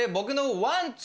ワン・ツー！